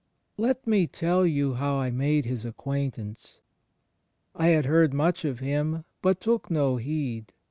Let me tell you how I made His acquaintance. I had heard much of Him, but took no heed.